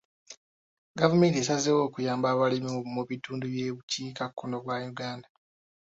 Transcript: Gavumenti esazeewo okuyambako abalimi mu bitundu by'obukiikakkono bwa Uganda.